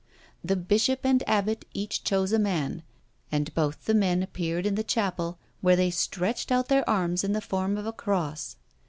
The bishop and abbot each chose a man, and both the men appeared in the chapel, where they stretched out their arms in the form of a cross.